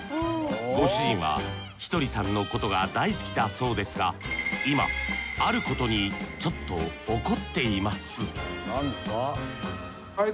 ご主人はひとりさんのことが大好きだそうですが今あることにちょっと怒っています